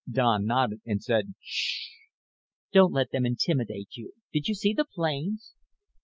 Don nodded and said "Sh." "Don't let them intimidate you. Did you see the planes?"